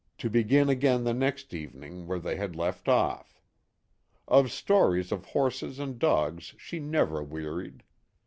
To begin again the next evening where they had left off. Of stories of horses and dogs she never wearied.